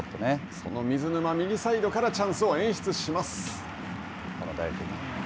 その水沼、右サイドからチャンスを演出します。